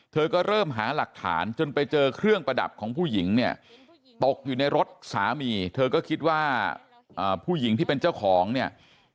เธอก็เริ่มหาหลักฐานจนไปเจอเครื่องประดับของผู้หญิงเนี่ยตกอยู่ในรถสามีเธอก็คิดว่าผู้หญิงที่เป็นเจ้าของเนี่ย